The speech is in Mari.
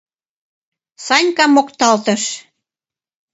— Санька мокталтыш.